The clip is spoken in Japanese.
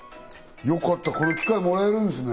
よかった、この機械もらえるんですね。